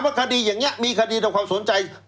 คดีอย่างนี้มีคดีต่อความสนใจ